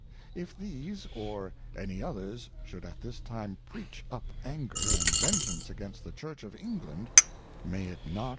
If these, or any others, should at this time Preach up Anger and Vengeance against the Church oiEnglanA^va&y it joaL...